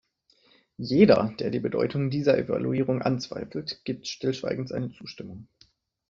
Jeder, der die Bedeutung dieser Evaluierung anzweifelt, gibt stillschweigend seine Zustimmung.